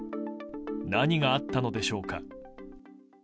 何があったのでしょうか。